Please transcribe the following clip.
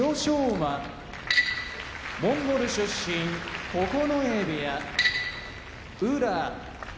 馬モンゴル出身九重部屋宇良